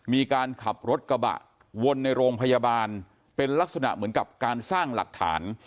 มีการขับรถกระบะวนในโรงพยาบาลเป็นลักษณะเหมือนกับการสร้างหลักฐาน